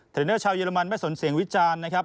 เทรนเนอร์ชาวเยอรมันไม่สนเสียงวิจารณ์นะครับ